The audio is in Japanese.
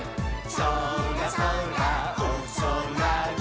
「そらそらおそらに」